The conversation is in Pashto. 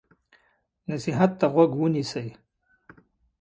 نصیحت ته غوږ ونیسئ.